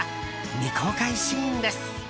未公開シーンです。